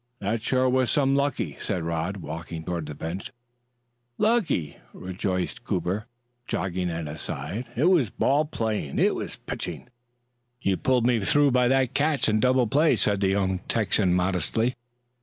"That sure was some lucky," said Rod, walking toward the bench. "Lucky!" rejoiced Cooper, jogging at his side. "It was ball playing! It was pitching!" "You pulled me through by that catch and double play," said the young Texan modestly.